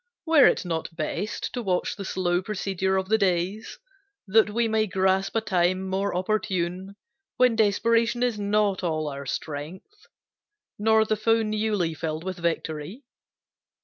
Were it not best To watch the slow procedure of the days, That we may grasp a time more opportune, When desperation is not all our strength, Nor the foe newly filled with victory?